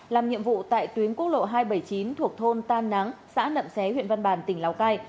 làm nhiệm vụ tại tuyến quốc lộ hai trăm bảy mươi chín thuộc thôn tam nắng xã nậm xé huyện văn bàn tỉnh lào cai